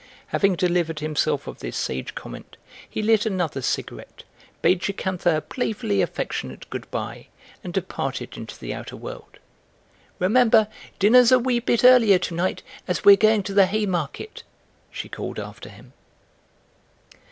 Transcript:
Having delivered himself of this sage comment he lit another cigarette, bade Jocantha a playfully affectionate good bye, and departed into the outer world. "Remember, dinner's a wee bit earlier to night, as we're going to the Haymarket," she called after him.